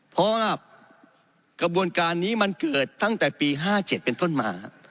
เพราะว่ากระบวนการนี้มันเกิดตั้งแต่ปี๕๗เป็นต้นมา